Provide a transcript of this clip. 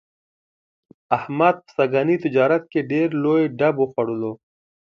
احمد په سږني تجارت کې ډېر لوی ډب وخوړلو.